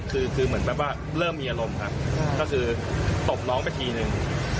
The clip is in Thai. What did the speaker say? คือเหมือนแบบว่าเริ่มมีอารมณ์ครับก็คือตบน้องไปทีนึง